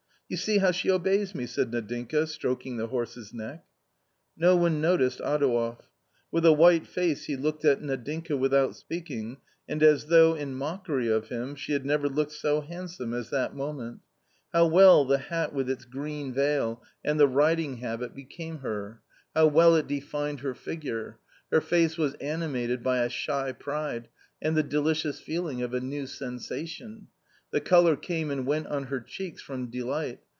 " You see how she obeys me !" said Nadinka, stroking the horse's neck. No one noticed Adouev. With a white face he looked at Nadinka without speaking, and as though in mockery of him, she had never looked so handsome as that moment. How well the hat with its green veil and the riding habit A COMMON STORY 109 became her I how well it defined her figure ! Her face was animated by a shy pride and the delicious feeling of a new sensation. The colour came and went on her cheeks from delight.